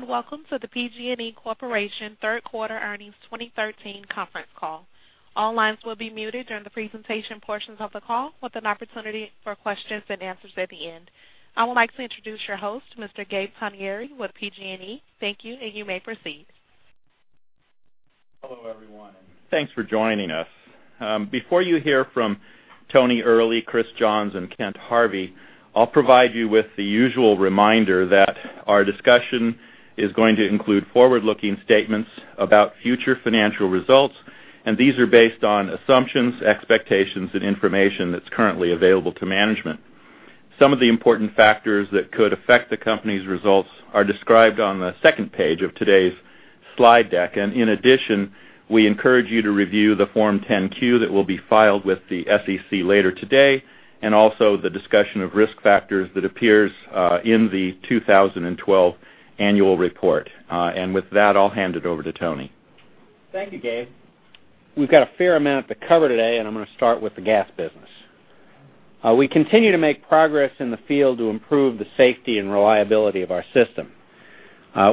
Hello. Welcome to the PG&E Corporation third quarter earnings 2013 conference call. All lines will be muted during the presentation portions of the call, with an opportunity for questions and answers at the end. I would like to introduce your host, Mr. Gabe Togneri with PG&E. Thank you. You may proceed. Hello, everyone. Thanks for joining us. Before you hear from Tony Earley, Chris Johns, and Kent Harvey, I'll provide you with the usual reminder that our discussion is going to include forward-looking statements about future financial results. These are based on assumptions, expectations, and information that's currently available to management. Some of the important factors that could affect the company's results are described on the second page of today's slide deck. In addition, we encourage you to review the Form 10-Q that will be filed with the SEC later today, also the discussion of risk factors that appears in the 2012 annual report. With that, I'll hand it over to Tony. Thank you, Gabe. We've got a fair amount to cover today. I'm going to start with the gas business. We continue to make progress in the field to improve the safety and reliability of our system.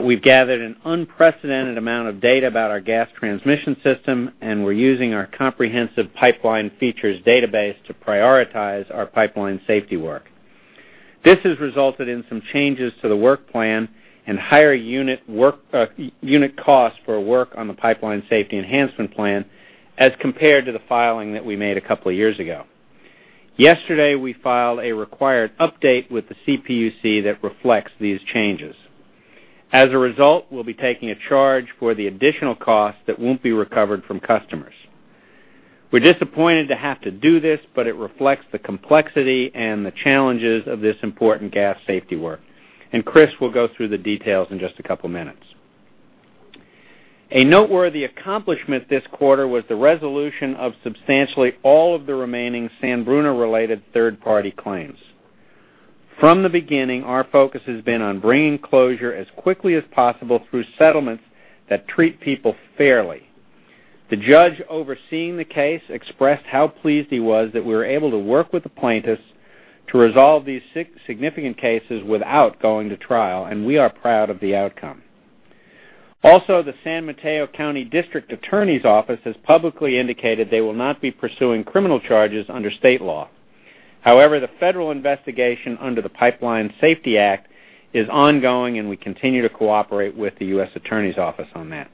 We've gathered an unprecedented amount of data about our gas transmission system. We're using our comprehensive pipeline features database to prioritize our pipeline safety work. This has resulted in some changes to the work plan and higher unit cost for work on the Pipeline Safety Enhancement Plan as compared to the filing that we made a couple of years ago. Yesterday, we filed a required update with the CPUC that reflects these changes. As a result, we'll be taking a charge for the additional cost that won't be recovered from customers. We're disappointed to have to do this. It reflects the complexity and the challenges of this important gas safety work. Chris will go through the details in just a couple of minutes. A noteworthy accomplishment this quarter was the resolution of substantially all of the remaining San Bruno-related third-party claims. From the beginning, our focus has been on bringing closure as quickly as possible through settlements that treat people fairly. The judge overseeing the case expressed how pleased he was that we were able to work with the plaintiffs to resolve these six significant cases without going to trial. We are proud of the outcome. Also, the San Mateo County District Attorney's Office has publicly indicated they will not be pursuing criminal charges under state law. However, the federal investigation under the Pipeline Safety Act is ongoing. We continue to cooperate with the U.S. Attorney's Office on that.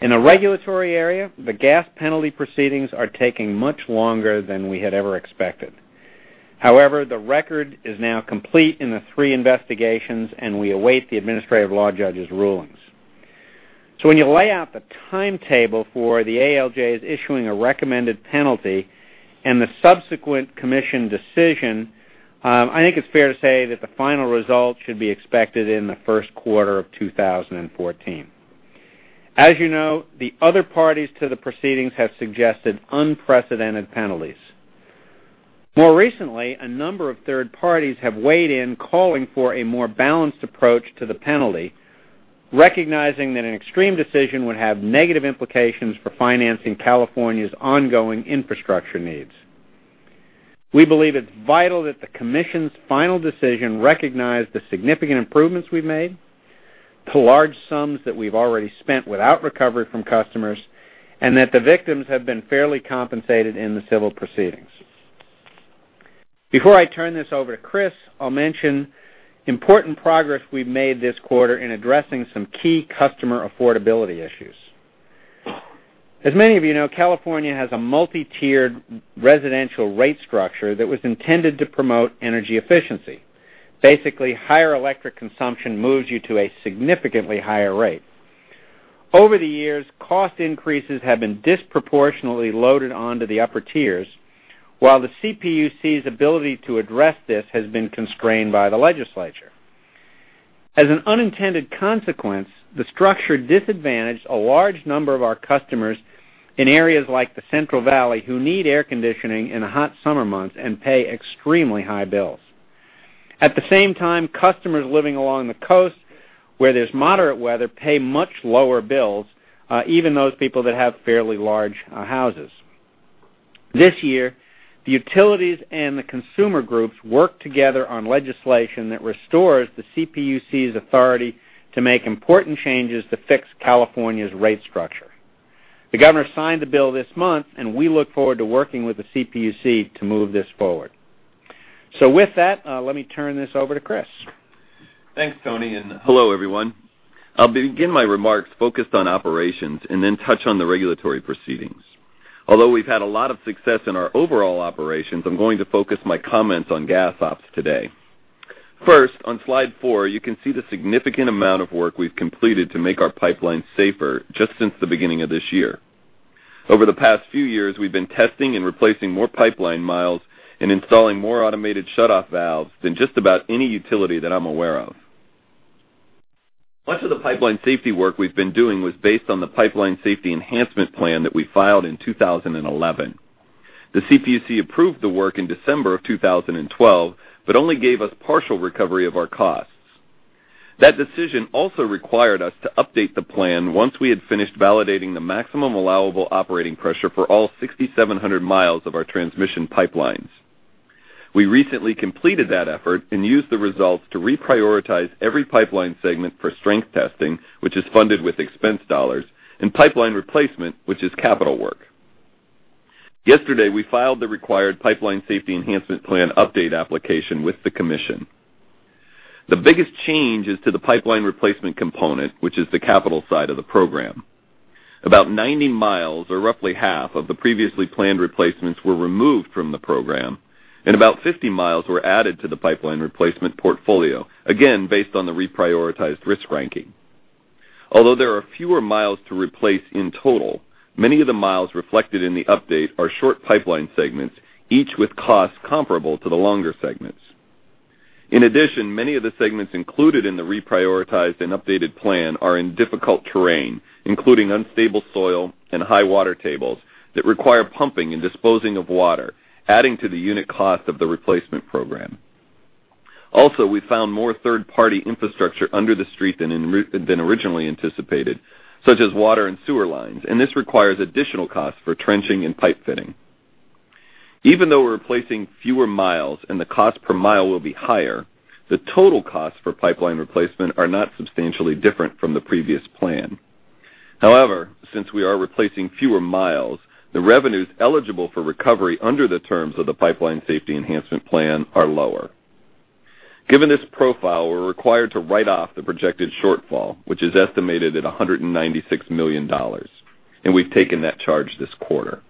In a regulatory area, the gas penalty proceedings are taking much longer than we had ever expected. The record is now complete in the three investigations, and we await the administrative law judges' rulings. When you lay out the timetable for the ALJs issuing a recommended penalty and the subsequent commission decision, I think it's fair to say that the final result should be expected in the first quarter of 2014. As you know, the other parties to the proceedings have suggested unprecedented penalties. More recently, a number of third parties have weighed in, calling for a more balanced approach to the penalty, recognizing that an extreme decision would have negative implications for financing California's ongoing infrastructure needs. We believe it's vital that the commission's final decision recognize the significant improvements we've made to large sums that we've already spent without recovery from customers, and that the victims have been fairly compensated in the civil proceedings. Before I turn this over to Chris, I'll mention important progress we've made this quarter in addressing some key customer affordability issues. As many of you know, California has a multi-tiered residential rate structure that was intended to promote energy efficiency. Basically, higher electric consumption moves you to a significantly higher rate. Over the years, cost increases have been disproportionately loaded onto the upper tiers, while the CPUC's ability to address this has been constrained by the legislature. As an unintended consequence, the structure disadvantaged a large number of our customers in areas like the Central Valley who need air conditioning in the hot summer months and pay extremely high bills. At the same time, customers living along the coast where there's moderate weather pay much lower bills, even those people that have fairly large houses. This year, the utilities and the consumer groups worked together on legislation that restores the CPUC's authority to make important changes to fix California's rate structure. The governor signed the bill this month, we look forward to working with the CPUC to move this forward. With that, let me turn this over to Chris. Thanks, Tony, and hello, everyone. I'll begin my remarks focused on operations, then touch on the regulatory proceedings. Although we've had a lot of success in our overall operations, I'm going to focus my comments on gas ops today. First, on slide four, you can see the significant amount of work we've completed to make our pipelines safer just since the beginning of this year. Over the past few years, we've been testing and replacing more pipeline miles and installing more automated shutoff valves than just about any utility that I'm aware of. Much of the pipeline safety work we've been doing was based on the Pipeline Safety Enhancement Plan that we filed in 2011. The CPUC approved the work in December of 2012 but only gave us partial recovery of our costs. That decision also required us to update the plan once we had finished validating the maximum allowable operating pressure for all 6,700 miles of our transmission pipelines. We recently completed that effort and used the results to reprioritize every pipeline segment for strength testing, which is funded with expense dollars, and pipeline replacement, which is capital work. Yesterday, we filed the required Pipeline Safety Enhancement Plan update application with the commission. The biggest change is to the pipeline replacement component, which is the capital side of the program. About 90 miles, or roughly half, of the previously planned replacements were removed from the program, and about 50 miles were added to the pipeline replacement portfolio, again, based on the reprioritized risk ranking. There are fewer miles to replace in total, many of the miles reflected in the update are short pipeline segments, each with costs comparable to the longer segments. In addition, many of the segments included in the reprioritized and updated plan are in difficult terrain, including unstable soil and high water tables that require pumping and disposing of water, adding to the unit cost of the replacement program. We found more third-party infrastructure under the street than originally anticipated, such as water and sewer lines, and this requires additional costs for trenching and pipe fitting. Even though we're replacing fewer miles and the cost per mile will be higher, the total costs for pipeline replacement are not substantially different from the previous plan. However, since we are replacing fewer miles, the revenues eligible for recovery under the terms of the Pipeline Safety Enhancement Plan are lower. Given this profile, we're required to write off the projected shortfall, which is estimated at $196 million, and we've taken that charge this quarter.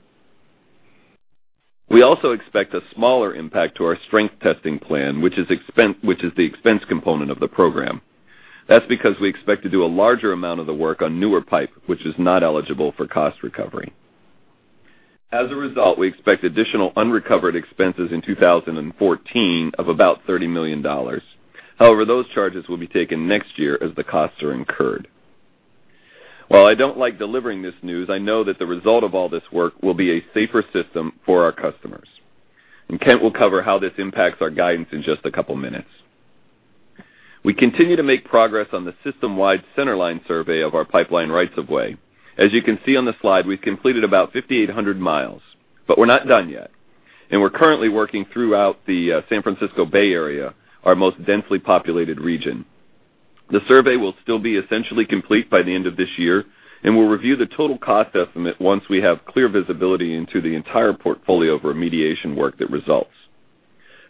We also expect a smaller impact to our strength testing plan, which is the expense component of the program. That's because we expect to do a larger amount of the work on newer pipe, which is not eligible for cost recovery. As a result, we expect additional unrecovered expenses in 2014 of about $30 million. However, those charges will be taken next year as the costs are incurred. While I don't like delivering this news, I know that the result of all this work will be a safer system for our customers. Kent will cover how this impacts our guidance in just a couple minutes. We continue to make progress on the system-wide centerline survey of our pipeline rights of way. As you can see on the slide, we've completed about 5,800 miles, but we're not done yet. We're currently working throughout the San Francisco Bay Area, our most densely populated region. The survey will still be essentially complete by the end of this year, and we'll review the total cost estimate once we have clear visibility into the entire portfolio of remediation work that results.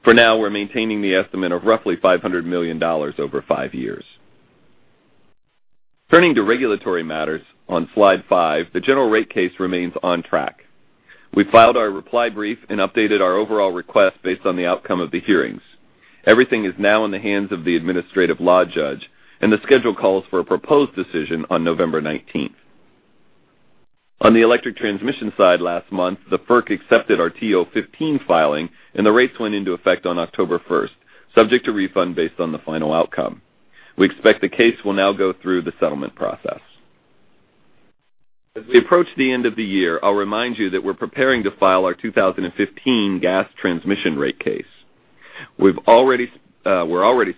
For now, we're maintaining the estimate of roughly $500 million over five years. Turning to regulatory matters, on Slide 5, the general rate case remains on track. We filed our reply brief and updated our overall request based on the outcome of the hearings. Everything is now in the hands of the administrative law judge, and the schedule calls for a proposed decision on November 19th. On the electric transmission side last month, the FERC accepted our TO15 filing, and the rates went into effect on October 1st, subject to refund based on the final outcome. We expect the case will now go through the settlement process. As we approach the end of the year, I'll remind you that we're preparing to file our 2015 gas transmission rate case. We're already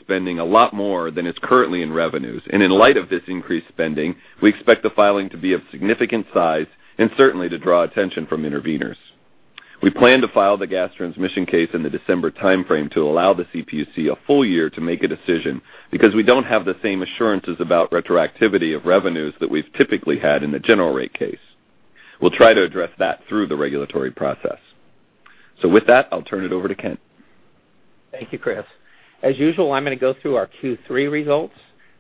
spending a lot more than is currently in revenues, and in light of this increased spending, we expect the filing to be of significant size and certainly to draw attention from interveners. We plan to file the gas transmission case in the December timeframe to allow the CPUC a full year to make a decision, because we don't have the same assurances about retroactivity of revenues that we've typically had in the general rate case. We'll try to address that through the regulatory process. With that, I'll turn it over to Kent. Thank you, Chris. As usual, I'm going to go through our Q3 results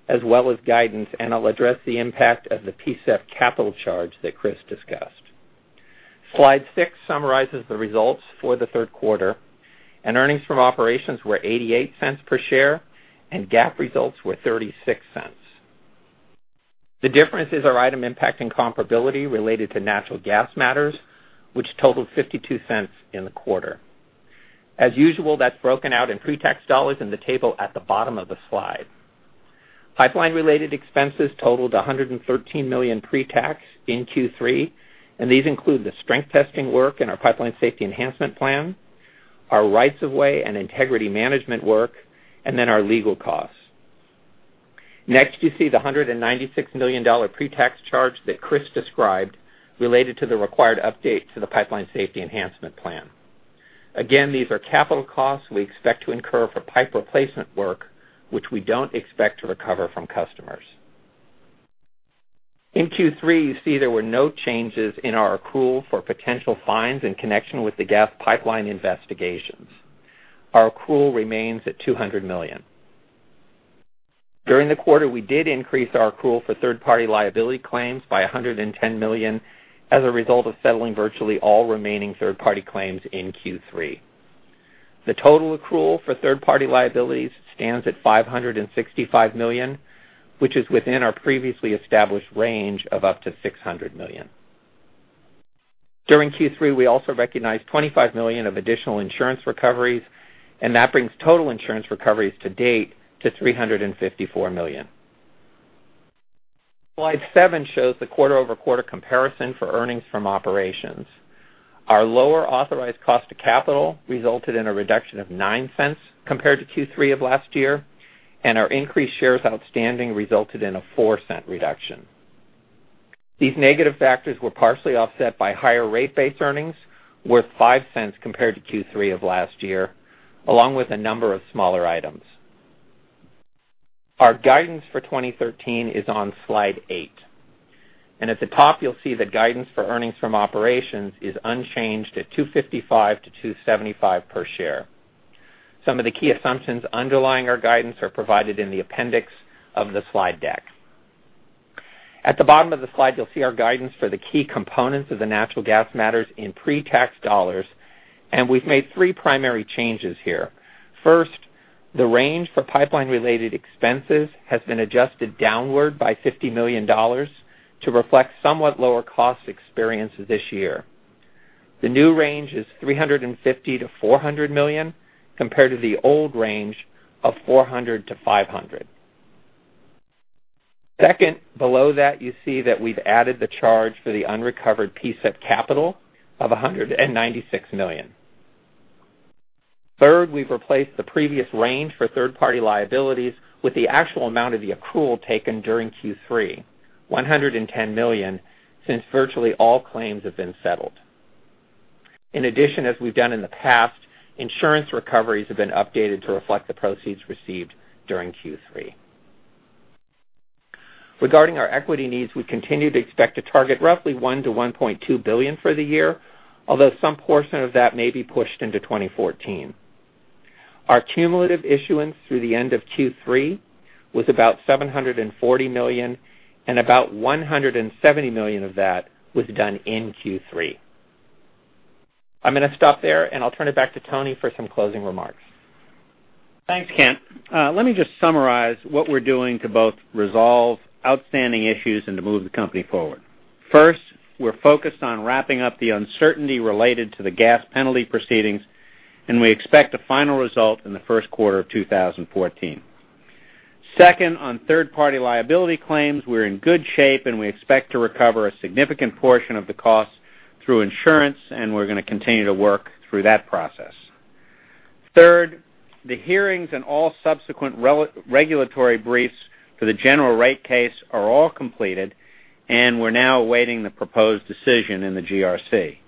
as well as guidance, and I'll address the impact of the PSEP capital charge that Chris discussed. Slide 6 summarizes the results for the third quarter, and earnings from operations were $0.88 per share, and GAAP results were $0.36. The difference is our item impacting comparability related to natural gas matters, which totaled $0.52 in the quarter. As usual, that's broken out in pre-tax dollars in the table at the bottom of the slide. Pipeline-related expenses totaled $113 million pre-tax in Q3, and these include the strength testing work in our Pipeline Safety Enhancement Plan, our rights of way and integrity management work, and then our legal costs. Next, you see the $196 million pre-tax charge that Chris described related to the required update to the Pipeline Safety Enhancement Plan. Again, these are capital costs we expect to incur for pipe replacement work, which we don't expect to recover from customers. In Q3, you see there were no changes in our accrual for potential fines in connection with the gas pipeline investigations. Our accrual remains at $200 million. During the quarter, we did increase our accrual for third-party liability claims by $110 million as a result of settling virtually all remaining third-party claims in Q3. The total accrual for third-party liabilities stands at $565 million, which is within our previously established range of up to $600 million. During Q3, we also recognized $25 million of additional insurance recoveries, and that brings total insurance recoveries to date to $354 million. Slide 7 shows the quarter-over-quarter comparison for earnings from operations. Our lower authorized cost of capital resulted in a reduction of $0.09 compared to Q3 of last year, and our increased shares outstanding resulted in a $0.04 reduction. These negative factors were partially offset by higher rate-based earnings worth $0.05 compared to Q3 of last year, along with a number of smaller items. Our guidance for 2013 is on slide eight, and at the top you'll see the guidance for earnings from operations is unchanged at $2.55 to $2.75 per share. Some of the key assumptions underlying our guidance are provided in the appendix of the slide deck. At the bottom of the slide, you'll see our guidance for the key components of the natural gas matters in pre-tax dollars, and we've made three primary changes here. First, the range for pipeline related expenses has been adjusted downward by $50 million to reflect somewhat lower cost experiences this year. The new range is $350 million-$400 million, compared to the old range of $400 million-$500 million. Second, below that, you see that we've added the charge for the unrecovered PSEP capital of $196 million. Third, we've replaced the previous range for third-party liabilities with the actual amount of the accrual taken during Q3, $110 million, since virtually all claims have been settled. In addition, as we've done in the past, insurance recoveries have been updated to reflect the proceeds received during Q3. Regarding our equity needs, we continue to expect to target roughly $1 billion-$1.2 billion for the year, although some portion of that may be pushed into 2014. Our cumulative issuance through the end of Q3 was about $740 million, and about $170 million of that was done in Q3. I'm going to stop there, and I'll turn it back to Tony for some closing remarks. Thanks, Kent. Let me just summarize what we're doing to both resolve outstanding issues and to move the company forward. First, we're focused on wrapping up the uncertainty related to the gas penalty proceedings, and we expect a final result in the first quarter of 2014. Second, on third-party liability claims, we're in good shape, and we expect to recover a significant portion of the cost through insurance, and we're going to continue to work through that process. Third, the hearings and all subsequent regulatory briefs for the general rate case are all completed, and we're now awaiting the proposed decision in the GRC.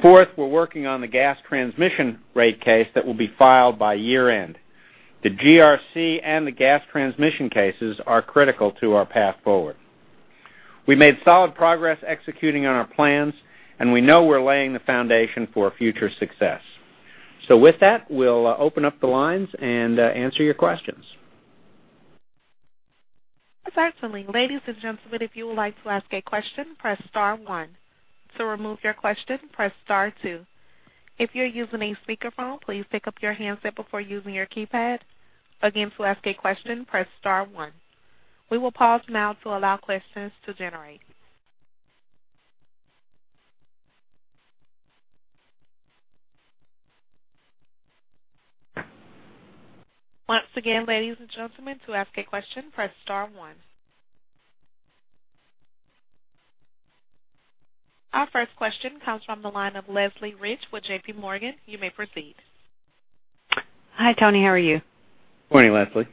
Fourth, we're working on the gas transmission rate case that will be filed by year-end. The GRC and the gas transmission cases are critical to our path forward. We made solid progress executing on our plans, we know we're laying the foundation for future success. With that, we'll open up the lines and answer your questions. Certainly. Ladies and gentlemen, if you would like to ask a question, press star one. To remove your question, press star two. If you're using a speakerphone, please pick up your handset before using your keypad. Again, to ask a question, press star one. We will pause now to allow questions to generate. Once again, ladies and gentlemen, to ask a question, press star one. Our first question comes from the line of Leslie Rich with JPMorgan. You may proceed. Hi, Tony. How are you? Morning, Leslie.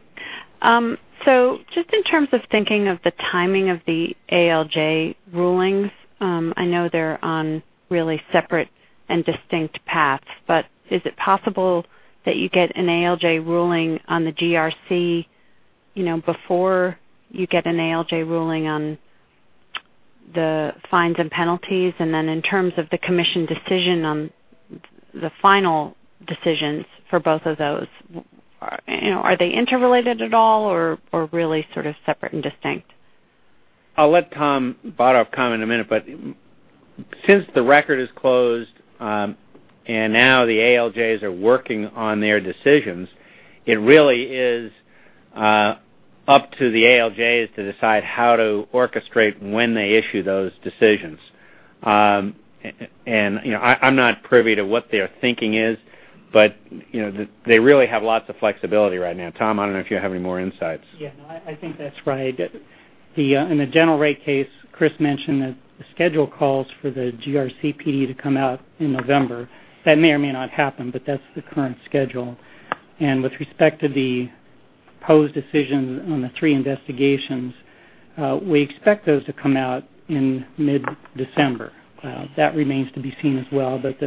In terms of thinking of the timing of the ALJ rulings, I know they're on really separate and distinct paths, but is it possible that you get an ALJ ruling on the GRC before you get an ALJ ruling on the fines and penalties? Then in terms of the Commission decision on the final decisions for both of those, are they interrelated at all or really sort of separate and distinct? I'll let Thomas Bottorff comment in a minute, since the record is closed and now the ALJs are working on their decisions, it really is up to the ALJs to decide how to orchestrate when they issue those decisions. I'm not privy to what their thinking is, but they really have lots of flexibility right now. Tom, I don't know if you have any more insights. I think that's right. In the General Rate Case, Chris mentioned that the schedule calls for the GRC PD to come out in November. That may or may not happen, but that's the current schedule. With respect to the proposed decisions on the three investigations, we expect those to come out in mid-December. That remains to be seen as well, but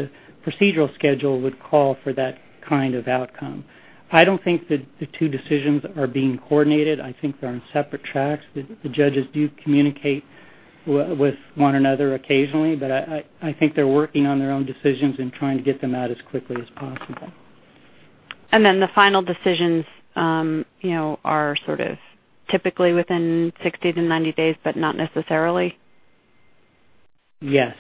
the procedural schedule would call for that kind of outcome. I don't think that the two decisions are being coordinated. I think they're on separate tracks. The judges do communicate with one another occasionally, but I think they're working on their own decisions and trying to get them out as quickly as possible. The final decisions are sort of typically within 60 to 90 days, but not necessarily? Yes.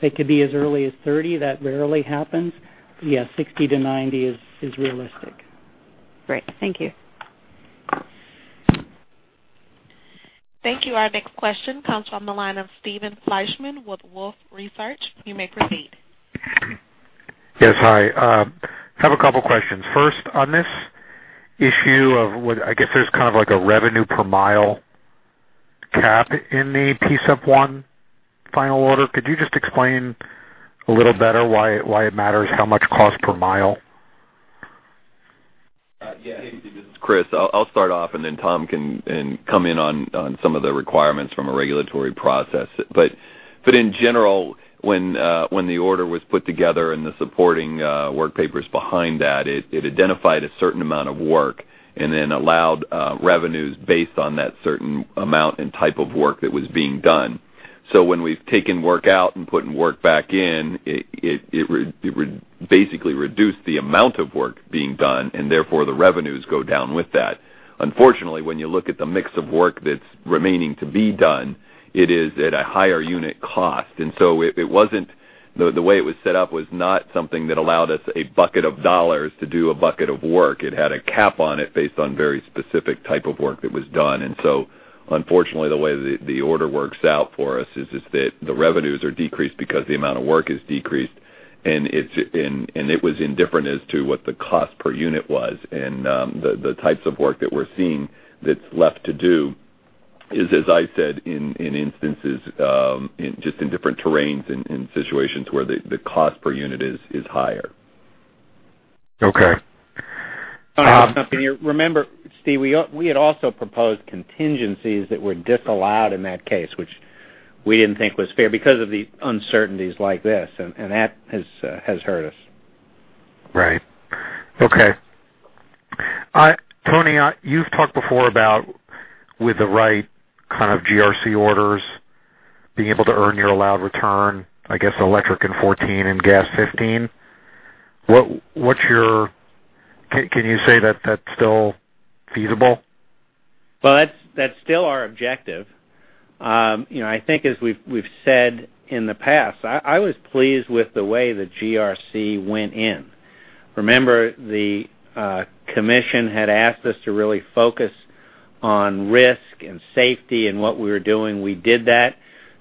They could be as early as 30. That rarely happens. Yes, 60 to 90 is realistic. Great. Thank you. Thank you. Our next question comes from the line of Steven Fleishman with Wolfe Research. You may proceed. Yes, hi. I have a couple questions. First, on this issue of what I guess there's kind of like a revenue per mile cap in the PSEP final order. Could you just explain a little better why it matters how much cost per mile? Hey, this is Chris. I'll start off and then Tom can come in on some of the requirements from a regulatory process. In general, when the order was put together and the supporting work papers behind that, it identified a certain amount of work and then allowed revenues based on that certain amount and type of work that was being done. When we've taken work out and putting work back in, it basically reduced the amount of work being done, and therefore the revenues go down with that. Unfortunately, when you look at the mix of work that's remaining to be done, it is at a higher unit cost. The way it was set up was not something that allowed us a bucket of dollars to do a bucket of work. It had a cap on it based on very specific type of work that was done. Unfortunately, the way the order works out for us is that the revenues are decreased because the amount of work is decreased. It was indifferent as to what the cost per unit was. The types of work that we're seeing that's left to do is, as I said, in instances, just in different terrains and in situations where the cost per unit is higher. Okay. I have something here. Remember, Steve, we had also proposed contingencies that were disallowed in that case, which we didn't think was fair because of the uncertainties like this. That has hurt us. Right. Okay. Tony, you've talked before about with the right kind of GRC orders being able to earn your allowed return, I guess electric in 2014 and gas 2015. Can you say that's still feasible? Well, that's still our objective. I think as we've said in the past, I was pleased with the way the GRC went in. Remember, the commission had asked us to really focus on risk and safety and what we were doing. We did that.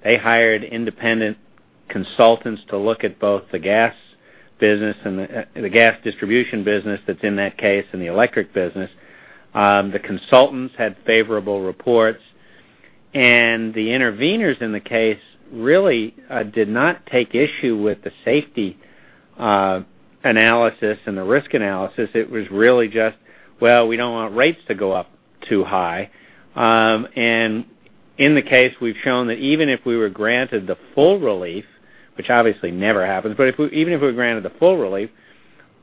They hired independent consultants to look at both the gas distribution business that's in that case and the electric business. The consultants had favorable reports, the interveners in the case really did not take issue with the safety analysis and the risk analysis. It was really just, "Well, we don't want rates to go up too high." In the case, we've shown that even if we were granted the full relief, which obviously never happens, but even if we're granted the full relief,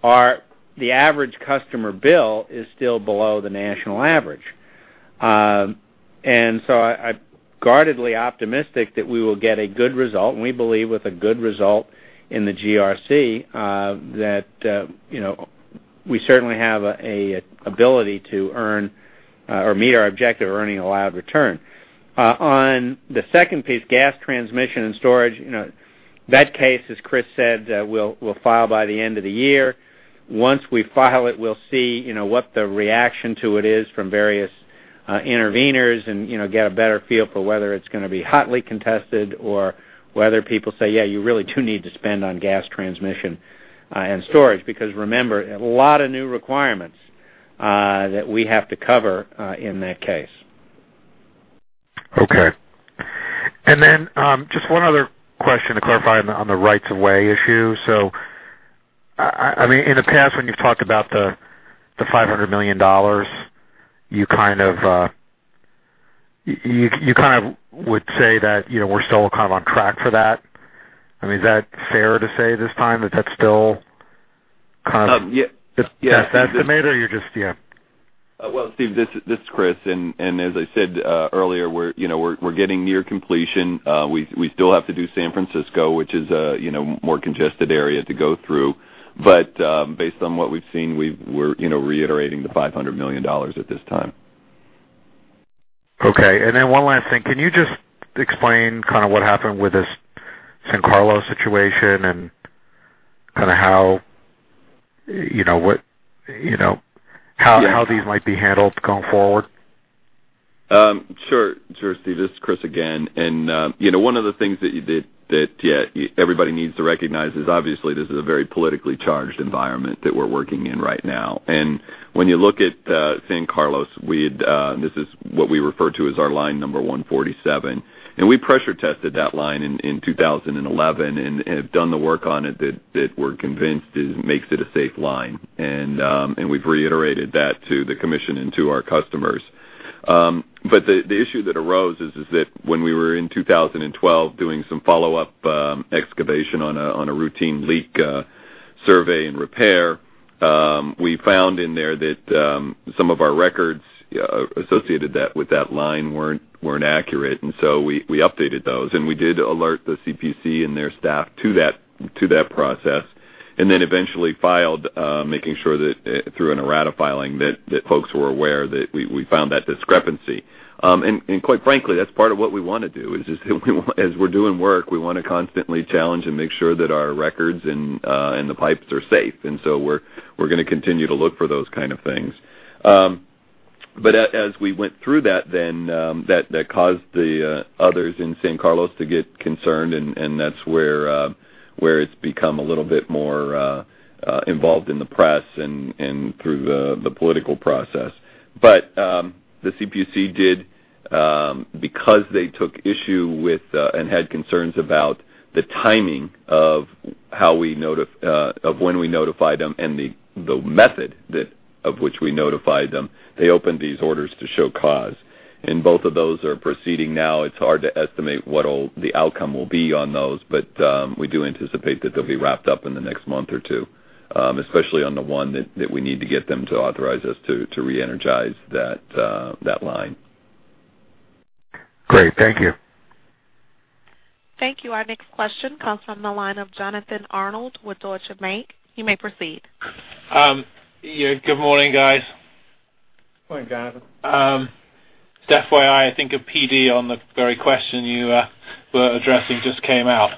the average customer bill is still below the national average. I'm guardedly optimistic that we will get a good result, and we believe with a good result in the GRC, that we certainly have ability to earn or meet our objective of earning allowed return. On the second piece, gas transmission and storage, that case, as Chris said, we'll file by the end of the year. Once we file it, we'll see what the reaction to it is from various interveners and get a better feel for whether it's going to be hotly contested or whether people say, "Yeah, you really do need to spend on gas transmission and storage." Because remember, a lot of new requirements that we have to cover in that case. Okay. Just one other question to clarify on the rights of way issue. In the past, when you've talked about the $500 million, you would say that we're still on track for that? Is that fair to say this time that that's still- Yes best estimate, or you're just, yeah. Well, Steve, this is Chris. As I said earlier, we're getting near completion. We still have to do San Francisco, which is a more congested area to go through. Based on what we've seen, we're reiterating the $500 million at this time. Okay. One last thing. Can you just explain what happened with this San Carlos situation and how these might be handled going forward? Sure, Steve. This is Chris again. One of the things that everybody needs to recognize is obviously this is a very politically charged environment that we're working in right now. When you look at San Carlos, this is what we refer to as our Line number 147. We pressure tested that line in 2011 and have done the work on it that we're convinced makes it a safe line. We've reiterated that to the commission and to our customers. The issue that arose is that when we were in 2012 doing some follow-up excavation on a routine leak survey and repair, we found in there that some of our records associated with that line weren't accurate. We updated those, we did alert the CPUC and their staff to that process, eventually filed, making sure that through an errata filing, that folks were aware that we found that discrepancy. Quite frankly, that's part of what we want to do is just as we're doing work, we want to constantly challenge and make sure that our records and the pipes are safe. We're going to continue to look for those kind of things. As we went through that, then that caused the others in San Carlos to get concerned, and that's where it's become a little bit more involved in the press and through the political process. The CPUC did, because they took issue with, and had concerns about the timing of when we notified them and the method of which we notified them. They opened these orders to show cause. Both of those are proceeding now. It's hard to estimate what the outcome will be on those, but we do anticipate that they'll be wrapped up in the next month or two. Especially on the one that we need to get them to authorize us to re-energize that line. Great. Thank you. Thank you. Our next question comes from the line of Jonathan Arnold with Deutsche Bank. You may proceed. Yeah, good morning, guys. Morning, Jonathan. Just FYI, I think a PD on the very question you were addressing just came out.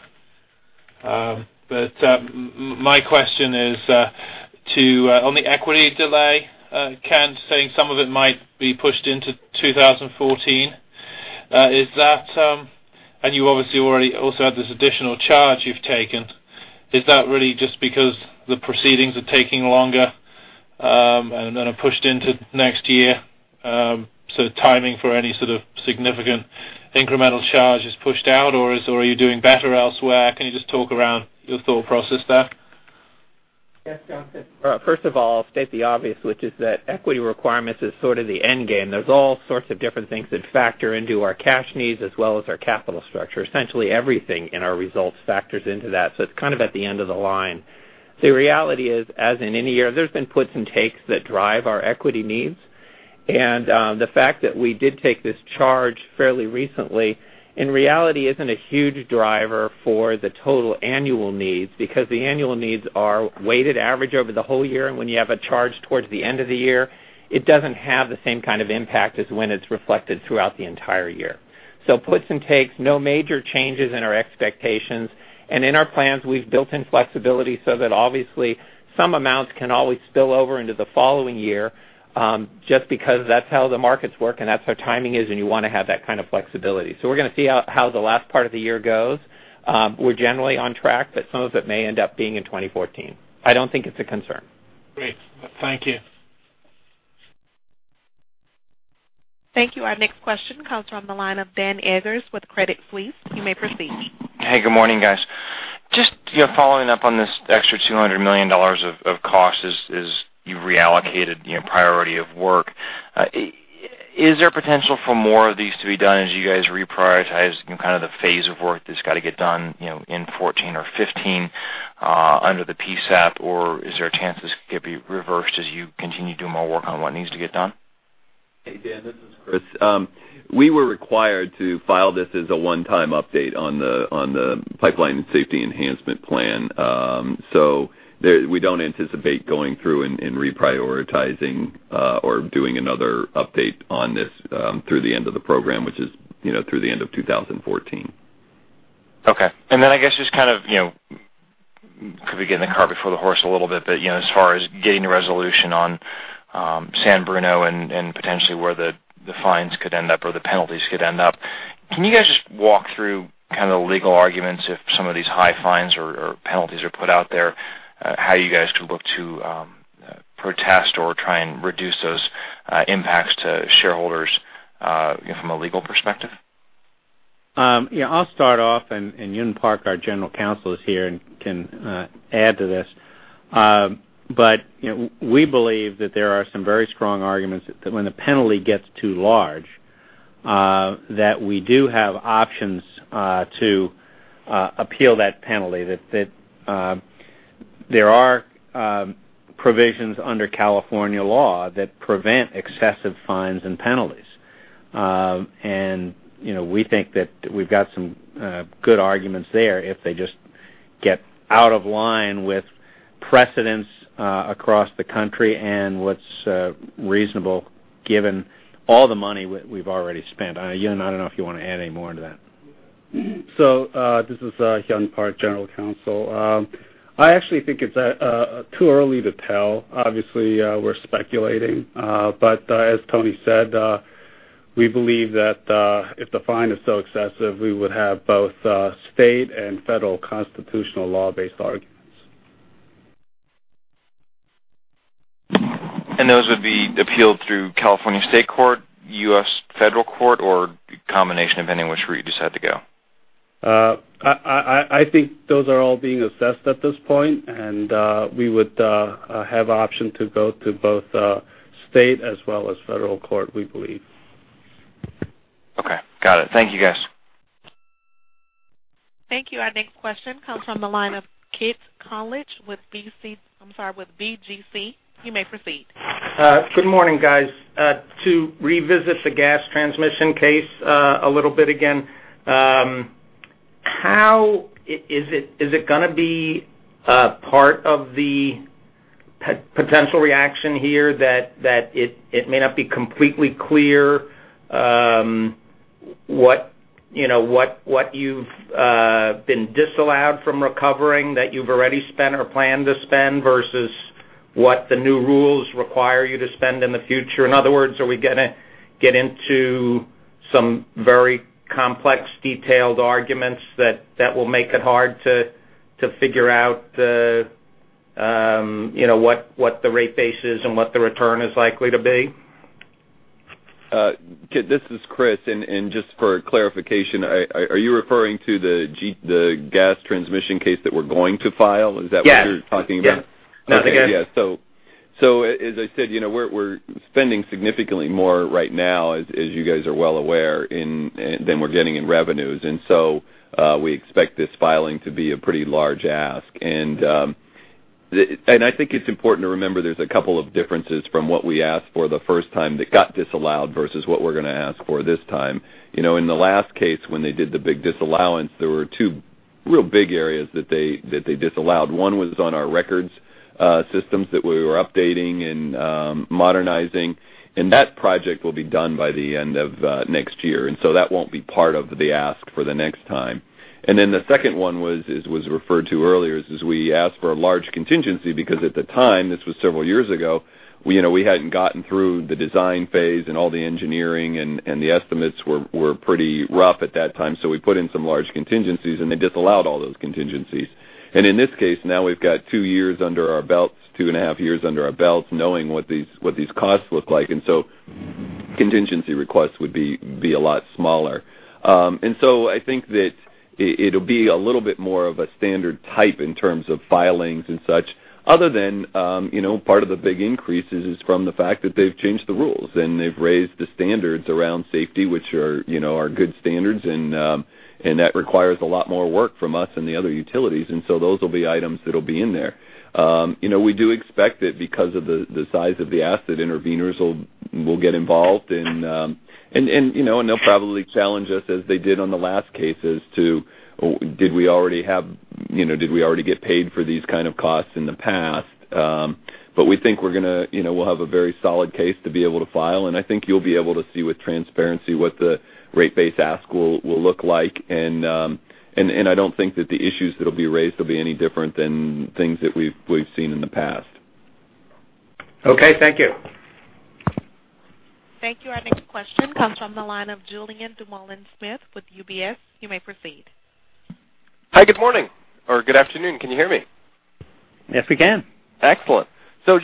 My question is on the equity delay, Kent saying some of it might be pushed into 2014. You obviously already also had this additional charge you've taken. Is that really just because the proceedings are taking longer and then are pushed into next year? The timing for any sort of significant incremental charge is pushed out, or are you doing better elsewhere? Can you just talk around your thought process there? Yes, Jonathan. First of all, I'll state the obvious, which is that equity requirements is sort of the end game. There's all sorts of different things that factor into our cash needs as well as our capital structure. Essentially everything in our results factors into that. It's kind of at the end of the line. The reality is, as in any year, there's been puts and takes that drive our equity needs. The fact that we did take this charge fairly recently, in reality, isn't a huge driver for the total annual needs because the annual needs are weighted average over the whole year. When you have a charge towards the end of the year, it doesn't have the same kind of impact as when it's reflected throughout the entire year. Puts and takes, no major changes in our expectations. In our plans, we've built in flexibility so that obviously some amounts can always spill over into the following year, just because that's how the markets work and that's how timing is, and you want to have that kind of flexibility. We're going to see how the last part of the year goes. We're generally on track, but some of it may end up being in 2014. I don't think it's a concern. Great. Thank you. Thank you. Our next question comes from the line of Ben Eggers with Credit Suisse. You may proceed. Hey, good morning, guys. Just following up on this extra $200 million of cost as you reallocated priority of work. Is there potential for more of these to be done as you guys reprioritize kind of the phase of work that's got to get done in 2014 or 2015 under the PSEP? Is there a chance this could be reversed as you continue to do more work on what needs to get done? Hey, Ben, this is Chris. We were required to file this as a one-time update on the Pipeline Safety Enhancement Plan. We don't anticipate going through and reprioritizing or doing another update on this through the end of the program, which is through the end of 2014. Okay. I guess just kind of could be getting the cart before the horse a little bit, but as far as getting a resolution on San Bruno and potentially where the fines could end up or the penalties could end up. Can you guys just walk through kind of the legal arguments if some of these high fines or penalties are put out there, how you guys could look to protest or try and reduce those impacts to shareholders from a legal perspective? Yeah, I'll start off. Hyun Park, our General Counsel, is here and can add to this. We believe that there are some very strong arguments that when the penalty gets too large, that we do have options to appeal that penalty. That there are provisions under California law that prevent excessive fines and penalties. We think that we've got some good arguments there if they just get out of line with precedents across the country and what's reasonable given all the money we've already spent. Hyun, I don't know if you want to add any more into that. This is Hyun Park, General Counsel. I actually think it's too early to tell. Obviously, we're speculating. As Tony said, we believe that if the fine is so excessive, we would have both state and federal constitutional law-based arguments. Those would be appealed through California State Court, U.S. Federal Court, or combination of any which route you decide to go? I think those are all being assessed at this point. We would have option to go to both state as well as federal court, we believe. Okay. Got it. Thank you, guys. Thank you. Our next question comes from the line of Kit Konolige with BGC. You may proceed. Good morning, guys. To revisit the gas transmission case a little bit again. Is it going to be a part of the potential reaction here that it may not be completely clear what you've been disallowed from recovering that you've already spent or plan to spend versus what the new rules require you to spend in the future. In other words, are we going to get into some very complex detailed arguments that will make it hard to figure out what the rate base is and what the return is likely to be? This is Chris. Just for clarification, are you referring to the gas transmission case that we're going to file? Is that what you're talking about? Yes. Okay. As I said, we're spending significantly more right now, as you guys are well aware, than we're getting in revenues. We expect this filing to be a pretty large ask. I think it's important to remember there's a couple of differences from what we asked for the first time that got disallowed versus what we're going to ask for this time. In the last case, when they did the big disallowance, there were two real big areas that they disallowed. One was on our records systems that we were updating and modernizing, and that project will be done by the end of next year. That won't be part of the ask for the next time. The second one was referred to earlier, is we asked for a large contingency because at the time, this was several years ago, we hadn't gotten through the design phase and all the engineering, and the estimates were pretty rough at that time. We put in some large contingencies, and they disallowed all those contingencies. In this case, now we've got two years under our belts, two and a half years under our belts, knowing what these costs look like. Contingency requests would be a lot smaller. I think that it'll be a little bit more of a standard type in terms of filings and such, other than part of the big increase is from the fact that they've changed the rules and they've raised the standards around safety, which are good standards, and that requires a lot more work from us and the other utilities. Those will be items that will be in there. We do expect that because of the size of the asset, interveners will get involved and they'll probably challenge us as they did on the last cases to, did we already get paid for these kind of costs in the past? We think we'll have a very solid case to be able to file, and I think you'll be able to see with transparency what the rate base ask will look like. I don't think that the issues that will be raised will be any different than things that we've seen in the past. Okay. Thank you. Thank you. Our next question comes from the line of Julien Dumoulin-Smith with UBS. You may proceed. Hi. Good morning or good afternoon. Can you hear me? Yes, we can. Excellent.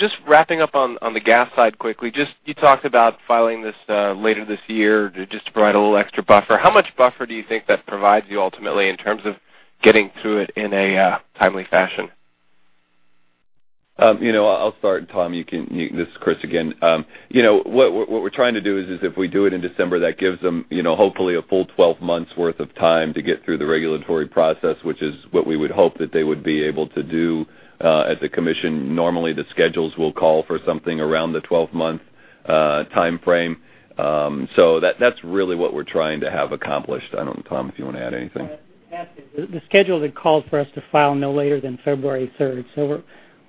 Just wrapping up on the gas side quickly. You talked about filing this later this year just to provide a little extra buffer. How much buffer do you think that provides you ultimately in terms of getting through it in a timely fashion? I'll start, Tom. This is Chris again. What we're trying to do is if we do it in December, that gives them hopefully a full 12 months worth of time to get through the regulatory process, which is what we would hope that they would be able to do at the commission. Normally, the schedules will call for something around the 12-month timeframe. That's really what we're trying to have accomplished. I don't know, Tom, if you want to add anything. The schedule had called for us to file no later than February 3rd.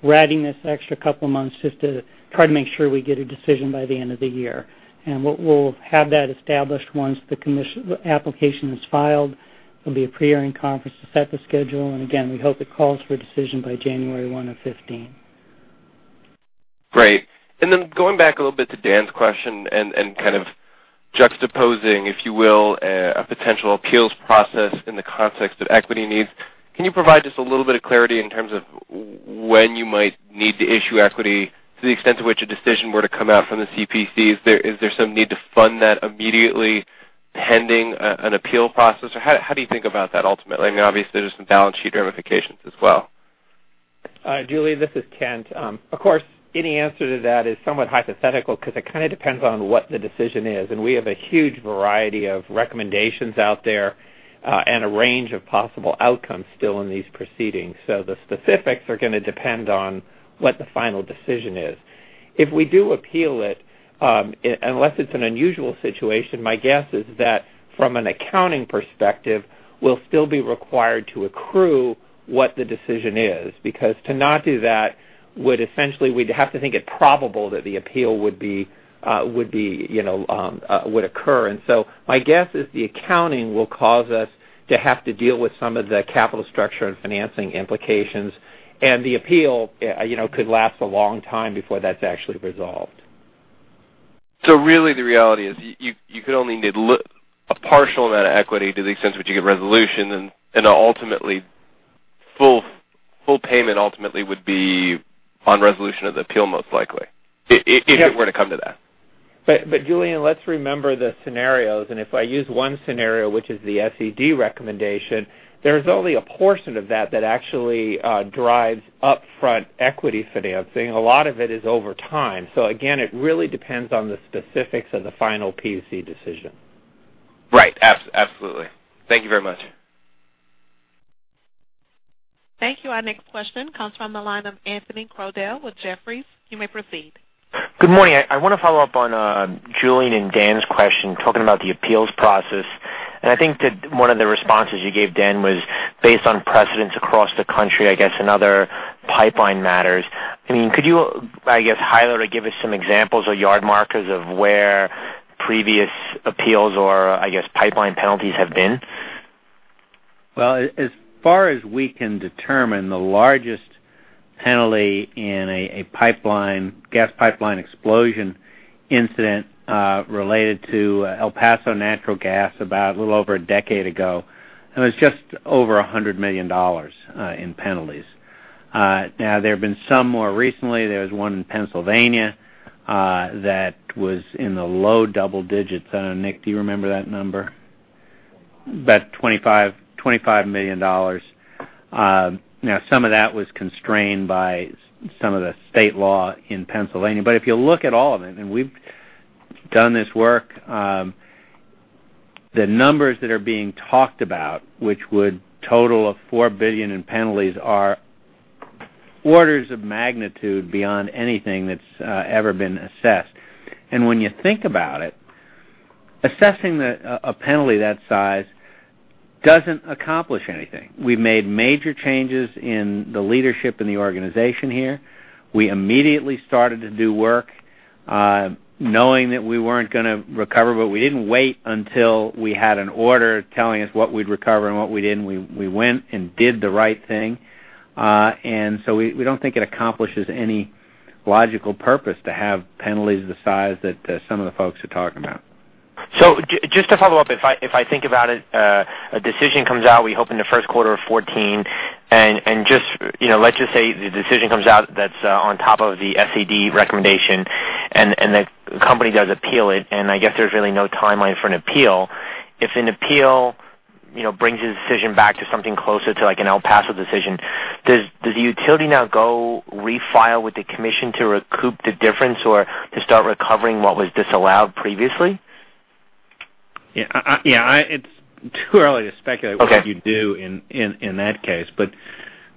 We're adding this extra couple of months just to try to make sure we get a decision by the end of the year. We'll have that established once the application is filed. There'll be a pre-hearing conference to set the schedule. Again, we hope it calls for a decision by January 1 of 2015. Great. Going back a little bit to Dan's question and kind of juxtaposing, if you will, a potential appeals process in the context of equity needs. Can you provide just a little bit of clarity in terms of when you might need to issue equity to the extent to which a decision were to come out from the CPUC? Is there some need to fund that immediately pending an appeal process? Or how do you think about that ultimately? I mean, obviously, there's some balance sheet ramifications as well. Julien, this is Kent. Of course, any answer to that is somewhat hypothetical because it kind of depends on what the decision is. We have a huge variety of recommendations out there and a range of possible outcomes still in these proceedings. The specifics are going to depend on what the final decision is. If we do appeal it, unless it's an unusual situation, my guess is that from an accounting perspective, we'll still be required to accrue what the decision is, because to not do that would essentially we'd have to think it probable that the appeal would occur. My guess is the accounting will cause us to have to deal with some of the capital structure and financing implications, and the appeal could last a long time before that's actually resolved. Really the reality is you could only need a partial amount of equity to the extent to which you get resolution and full payment ultimately would be on resolution of the appeal most likely, if it were to come to that. Julien, let's remember the scenarios, and if I use one scenario, which is the SED recommendation, there's only a portion of that that actually drives upfront equity financing. A lot of it is over time. Again, it really depends on the specifics of the final PUC decision. Right. Absolutely. Thank you very much. Thank you. Our next question comes from the line of Anthony Crowdell with Jefferies. You may proceed. Good morning. I want to follow up on Julien and Dan's question, talking about the appeals process. I think that one of the responses you gave Dan was based on precedents across the country, I guess another pipeline matters. Could you, I guess, highlight or give us some examples or yard markers of where previous appeals or pipeline penalties have been? Well, as far as we can determine, the largest penalty in a gas pipeline explosion incident related to El Paso Natural Gas about a little over a decade ago, and was just over $100 million in penalties. There have been some more recently. There was one in Pennsylvania, that was in the low double digits. I don't know, Nick, do you remember that number? About $25 million. Some of that was constrained by some of the state law in Pennsylvania. If you look at all of it, and we've done this work, the numbers that are being talked about, which would total of $4 billion in penalties, are orders of magnitude beyond anything that's ever been assessed. When you think about it, assessing a penalty that size doesn't accomplish anything. We've made major changes in the leadership in the organization here. We immediately started to do work, knowing that we weren't going to recover, but we didn't wait until we had an order telling us what we'd recover and what we didn't. We went and did the right thing. We don't think it accomplishes any logical purpose to have penalties the size that some of the folks are talking about. Just to follow up, if I think about it, a decision comes out, we hope in the first quarter of 2014. Let's just say the decision comes out that's on top of the SED recommendation, and the company does appeal it, and I guess there's really no timeline for an appeal. If an appeal brings a decision back to something closer to like an El Paso decision, does the utility now go refile with the commission to recoup the difference or to start recovering what was disallowed previously? Yeah. It's too early to speculate. Okay what you do in that case.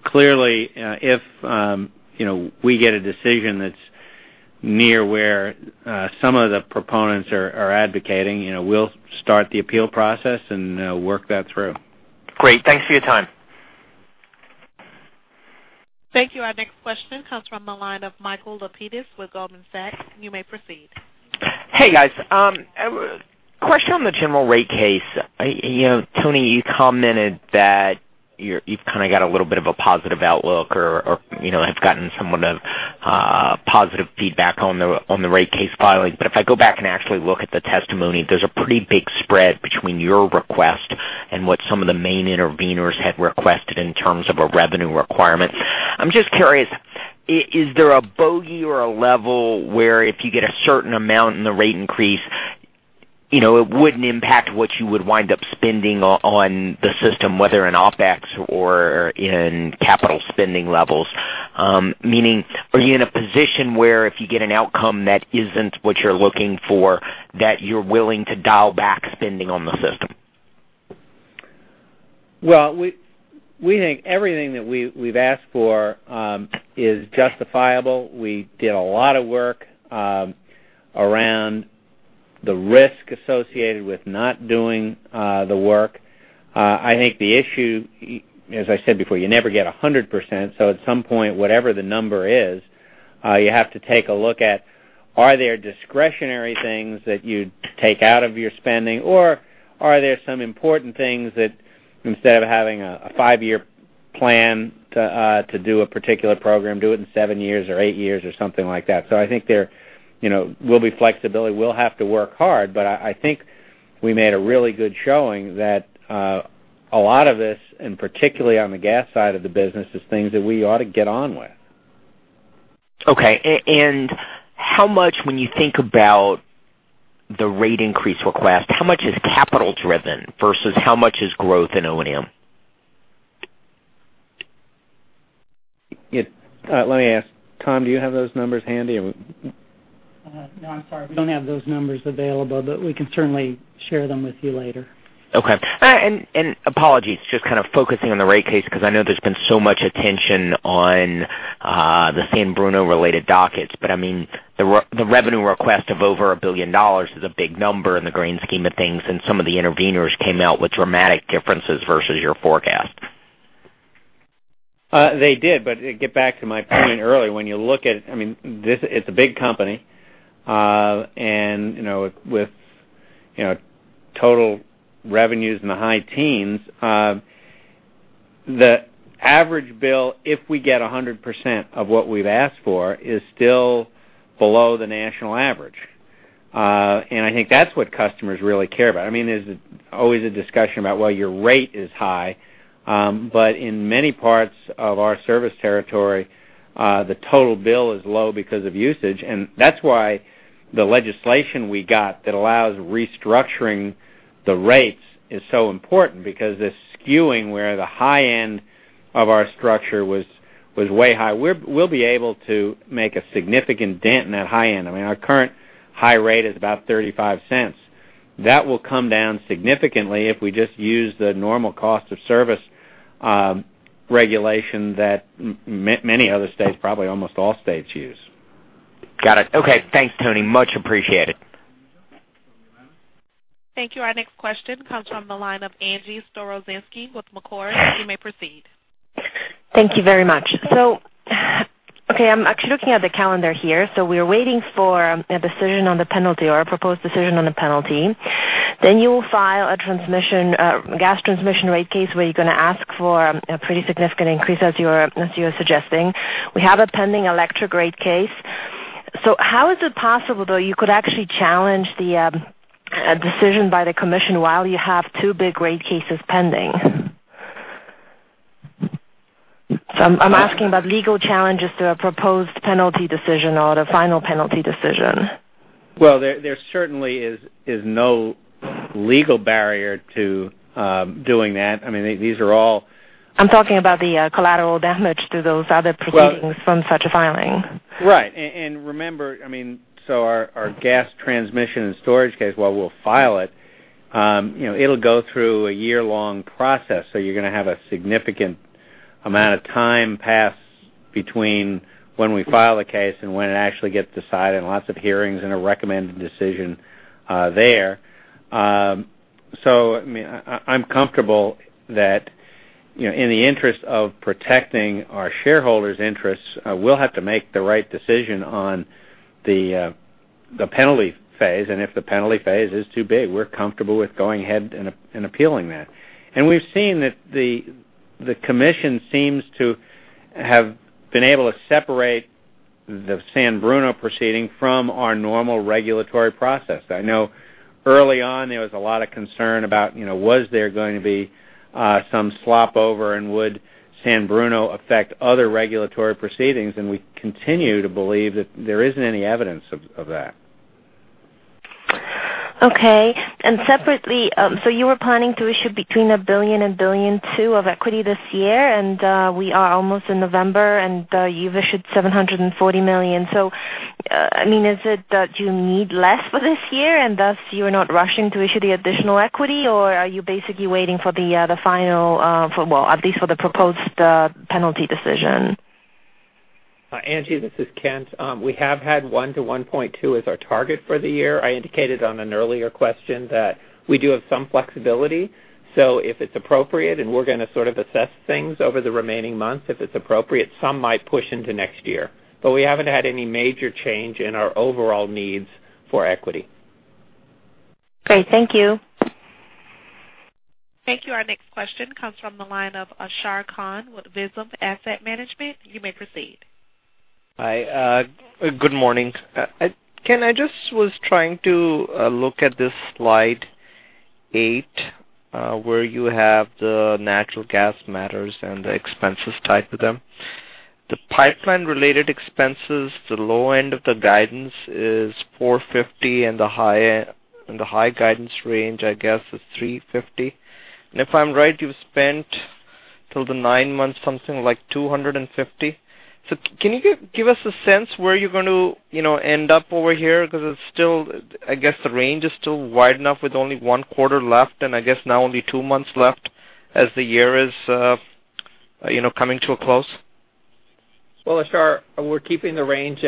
Clearly, if we get a decision that's near where some of the proponents are advocating, we'll start the appeal process and work that through. Great. Thanks for your time. Thank you. Our next question comes from the line of Michael Lapides with Goldman Sachs. You may proceed. Hey, guys. Question on the general rate case. Tony, you commented that you've kind of got a little bit of a positive outlook or have gotten somewhat of positive feedback on the rate case filing. If I go back and actually look at the testimony, there's a pretty big spread between your request and what some of the main interveners had requested in terms of a revenue requirement. I'm just curious, is there a bogey or a level where if you get a certain amount in the rate increase, it wouldn't impact what you would wind up spending on the system, whether in OPEX or in capital spending levels? Meaning, are you in a position where if you get an outcome that isn't what you're looking for, that you're willing to dial back spending on the system? Well, we think everything that we've asked for is justifiable. We did a lot of work around the risk associated with not doing the work. I think the issue, as I said before, you never get 100%. At some point, whatever the number is, you have to take a look at, are there discretionary things that you'd take out of your spending, or are there some important things that instead of having a five-year plan to do a particular program, do it in seven years or eight years or something like that. I think there will be flexibility. We'll have to work hard, I think we made a really good showing that a lot of this, and particularly on the gas side of the business, is things that we ought to get on with. Okay. How much, when you think about the rate increase request, how much is capital-driven versus how much is growth in O&M? Let me ask. Tom, do you have those numbers handy? No, I'm sorry. We don't have those numbers available, but we can certainly share them with you later. Okay. Apologies, just kind of focusing on the rate case because I know there's been so much attention on the San Bruno-related dockets, but the revenue request of over $1 billion is a big number in the grand scheme of things, and some of the interveners came out with dramatic differences versus your forecast. They did. To get back to my point earlier, when you look at it's a big company. With total revenues in the high teens, the average bill, if we get 100% of what we've asked for, is still below the national average. I think that's what customers really care about. There's always a discussion about, well, your rate is high. In many parts of our service territory, the total bill is low because of usage. That's why the legislation we got that allows restructuring the rates is so important because this skewing where the high end of our structure was way high. We'll be able to make a significant dent in that high end. Our current high rate is about $0.35. That will come down significantly if we just use the normal cost of service regulation that many other states, probably almost all states use. Got it. Okay. Thanks, Tony. Much appreciated. Thank you. Our next question comes from the line of Angie Storozynski with Macquarie. You may proceed. Thank you very much. Okay, I'm actually looking at the calendar here. We are waiting for a decision on the penalty or a proposed decision on the penalty. You will file a gas transmission rate case where you're going to ask for a pretty significant increase, as you were suggesting. We have a pending electric rate case. How is it possible though, you could actually challenge the decision by the Commission while you have two big rate cases pending? I'm asking about legal challenges to a proposed penalty decision or the final penalty decision. There certainly is no legal barrier to doing that. These are all- I'm talking about the collateral damage to those other proceedings from such a filing. Right. Remember, our gas transmission and storage case, while we'll file it'll go through a year-long process. You're going to have a significant amount of time pass between when we file the case and when it actually gets decided, and lots of hearings and a recommended decision there. I'm comfortable that in the interest of protecting our shareholders' interests, we'll have to make the right decision on the penalty phase. If the penalty phase is too big, we're comfortable with going ahead and appealing that. We've seen that the Commission seems to have been able to separate the San Bruno proceeding from our normal regulatory process. I know early on, there was a lot of concern about was there going to be some slop over, would San Bruno affect other regulatory proceedings, we continue to believe that there isn't any evidence of that. Okay. Separately, you were planning to issue between $1 billion and $1.2 billion of equity this year, we are almost in November, you've issued $740 million. Is it that you need less for this year and thus you're not rushing to issue the additional equity, or are you basically waiting for the final, at least for the proposed penalty decision? Angie, this is Kent. We have had $1-$1.2 as our target for the year. I indicated on an earlier question that we do have some flexibility. If it's appropriate, we're going to sort of assess things over the remaining months, if it's appropriate, some might push into next year. We haven't had any major change in our overall needs for equity. Great. Thank you. Thank you. Our next question comes from the line of Ashar Khan with Visium Asset Management. You may proceed. Hi. Good morning. Kent, I just was trying to look at this slide eight, where you have the natural gas matters and the expenses tied to them. The pipeline-related expenses, the low end of the guidance is $450 million and the high guidance range, I guess is $350 million. If I'm right, you've spent till the nine months, something like $250 million. Can you give us a sense where you're going to end up over here? It's still, I guess the range is still wide enough with only one quarter left, and I guess now only two months left as the year is coming to a close. Ashar, we're keeping the range.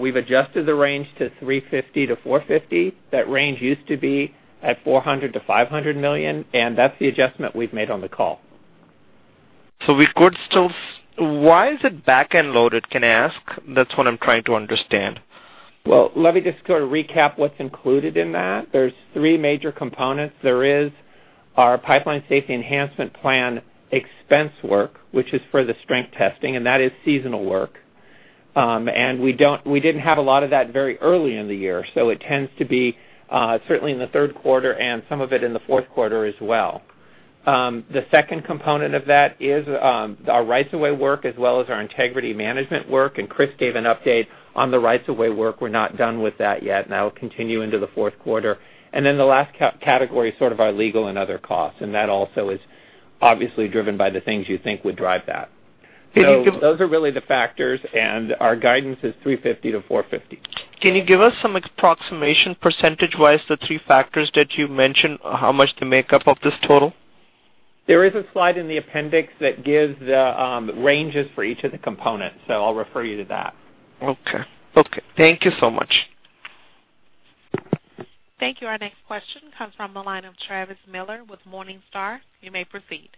We've adjusted the range to $350 million-$450 million. That range used to be at $400 million-$500 million, that's the adjustment we've made on the call. We could still. Why is it back-end loaded, can I ask? That's what I'm trying to understand. Well, let me just sort of recap what's included in that. There are three major components. There is our Pipeline Safety Enhancement Plan expense work, which is for the strength testing, and that is seasonal work. We didn't have a lot of that very early in the year, so it tends to be certainly in the third quarter and some of it in the fourth quarter as well. The second component of that is our rights of way work as well as our integrity management work, and Chris gave an update on the rights of way work. We're not done with that yet, and that'll continue into the fourth quarter. The last category is sort of our legal and other costs, and that also is obviously driven by the things you think would drive that. Those are really the factors, and our guidance is $350 million-$450 million. Can you give us some approximation percentage-wise, the three factors that you mentioned, how much they make up of this total? There is a slide in the appendix that gives the ranges for each of the components, so I'll refer you to that. Okay. Thank you so much. Thank you. Our next question comes from the line of Travis Miller with Morningstar. You may proceed.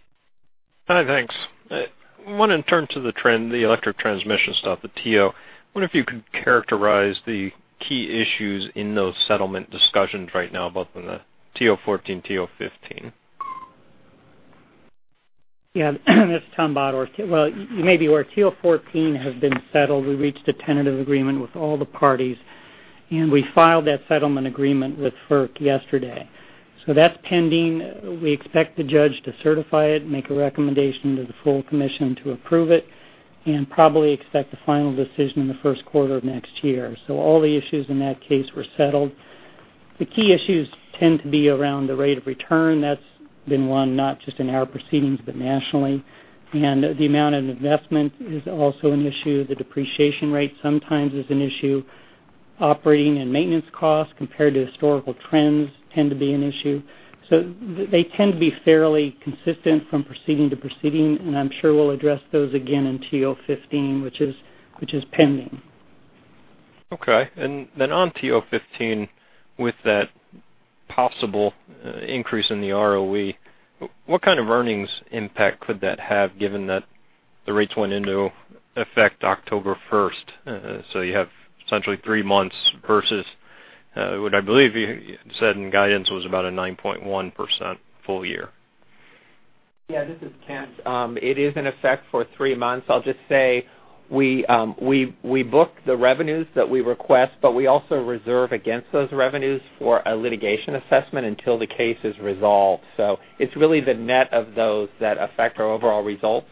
Hi, thanks. I want to turn to the trend, the electric transmission stuff, the TO. Wonder if you could characterize the key issues in those settlement discussions right now, both in the TO14, TO15. Yeah. This is Tom Bottorff. Well, maybe where TO14 has been settled, we reached a tentative agreement with all the parties, and we filed that settlement agreement with FERC yesterday. That's pending. We expect the judge to certify it, make a recommendation to the full commission to approve it, and probably expect a final decision in the first quarter of next year. All the issues in that case were settled. The key issues tend to be around the rate of return. That's been one, not just in our proceedings, but nationally. The amount of investment is also an issue. The depreciation rate sometimes is an issue. Operating and maintenance costs compared to historical trends tend to be an issue. They tend to be fairly consistent from proceeding to proceeding, and I'm sure we'll address those again in TO15, which is pending. Okay. Then on TO15, with that possible increase in the ROE, what kind of earnings impact could that have, given that the rates went into effect October 1st, so you have essentially three months versus what I believe you said in guidance was about a 9.1% full year? This is Kent. It is in effect for three months. I'll just say we book the revenues that we request, but we also reserve against those revenues for a litigation assessment until the case is resolved. It's really the net of those that affect our overall results.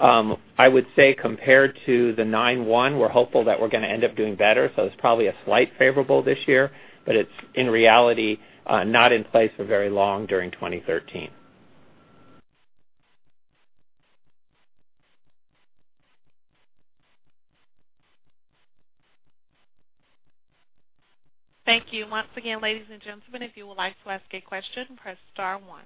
I would say compared to the nine one, we're hopeful that we're going to end up doing better, so it's probably a slight favorable this year, but it's, in reality, not in place for very long during 2013. Thank you. Once again, ladies and gentlemen, if you would like to ask a question, press star one.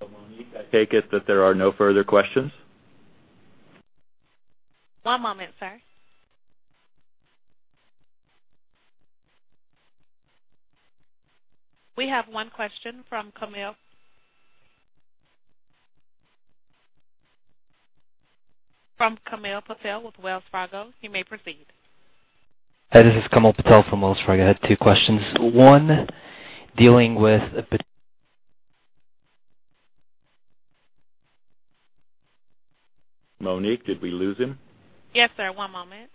Monique, I take it that there are no further questions? One moment, sir. We have one question from Kamil Patel with Wells Fargo. You may proceed. Hi, this is Kamil Patel from Wells Fargo. I had two questions. One, dealing with Monique, did we lose him? Yes, sir. One moment.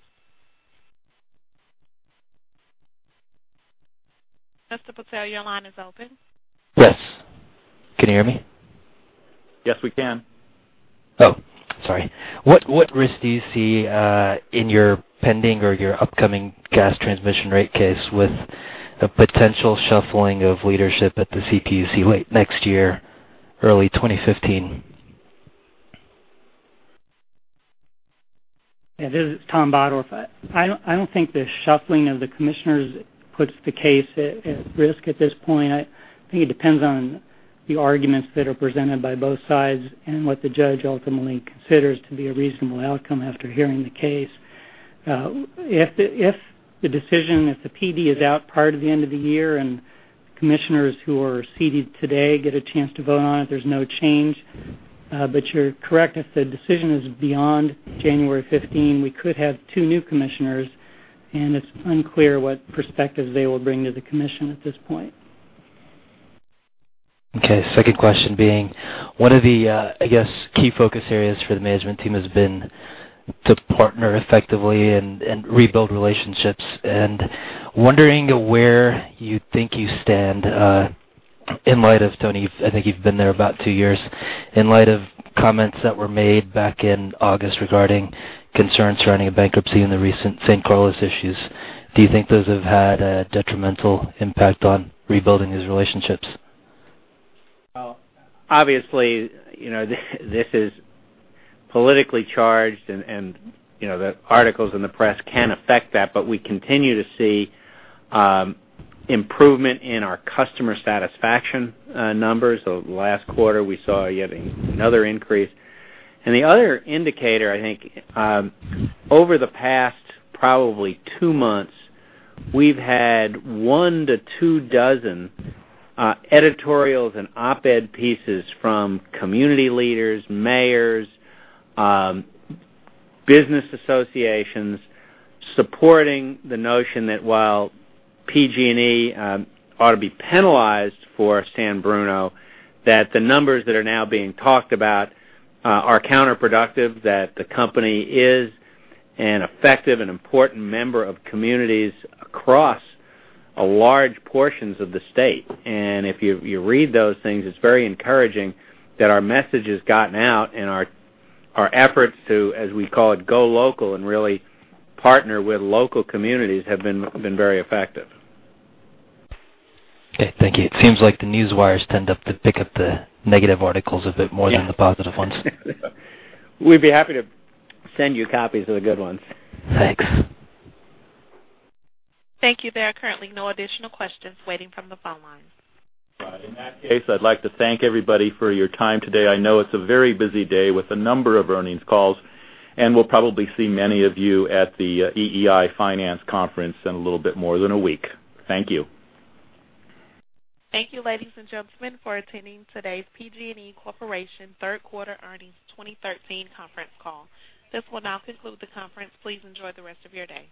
Mr. Patel, your line is open. Yes. Can you hear me? Yes, we can. Oh, sorry. What risk do you see in your pending or your upcoming gas transmission rate case with the potential shuffling of leadership at the CPUC late next year, early 2015? Yeah, this is Tom Bottorff. I don't think the shuffling of the commissioners puts the case at risk at this point. I think it depends on the arguments that are presented by both sides and what the judge ultimately considers to be a reasonable outcome after hearing the case. If the decision, if the PD is out prior to the end of the year and commissioners who are seated today get a chance to vote on it, there's no change. You're correct. If the decision is beyond January 15, we could have two new commissioners, and it's unclear what perspectives they will bring to the commission at this point. Okay. Second question being, one of the, I guess, key focus areas for the management team has been to partner effectively and rebuild relationships. Wondering where you think you stand in light of, Tony, I think you've been there about two years, in light of comments that were made back in August regarding concerns surrounding a bankruptcy and the recent San Carlos issues. Do you think those have had a detrimental impact on rebuilding these relationships? Obviously, this is politically charged, and the articles in the press can affect that, but we continue to see improvement in our customer satisfaction numbers. Last quarter, we saw yet another increase. The other indicator, I think, over the past probably two months, we've had one to two dozen editorials and op-ed pieces from community leaders, mayors, business associations supporting the notion that while PG&E ought to be penalized for San Bruno, the numbers that are now being talked about are counterproductive, that the company is an effective and important member of communities across large portions of the state. If you read those things, it's very encouraging that our message has gotten out and our efforts to, as we call it, go local and really partner with local communities have been very effective. Okay. Thank you. It seems like the newswires tend to pick up the negative articles a bit more than the positive ones. We'd be happy to send you copies of the good ones. Thanks. Thank you. There are currently no additional questions waiting from the phone lines. In that case, I'd like to thank everybody for your time today. I know it's a very busy day with a number of earnings calls, and we'll probably see many of you at the EEI Financial Conference in a little bit more than a week. Thank you. Thank you, ladies and gentlemen, for attending today's PG&E Corporation third quarter earnings 2013 conference call. This will now conclude the conference. Please enjoy the rest of your day.